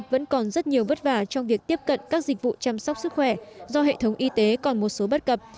vẫn còn rất nhiều vất vả trong việc tiếp cận các dịch vụ chăm sóc sức khỏe do hệ thống y tế còn một số bất cập